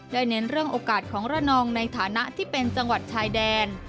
เน้นเรื่องโอกาสของระนองในฐานะที่เป็นจังหวัดชายแดน